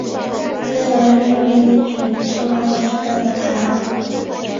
本列表列出的是历史上漫画销量的排行。